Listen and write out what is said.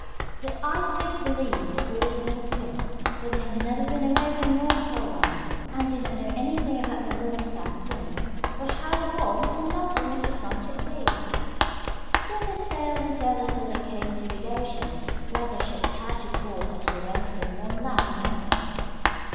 The Icebergs believed old North Wind, for they had never been away from North Pole Land and did not know anything about the warm South Wind, or how warm and melting Mr. Sun could be. So they sailed and sailed until they came to the big ocean where the ships had to cross as they went from one land to another.